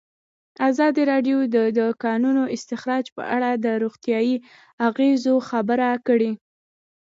ازادي راډیو د د کانونو استخراج په اړه د روغتیایي اغېزو خبره کړې.